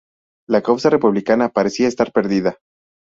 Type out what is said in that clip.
La causa republicana parecía estar perdida.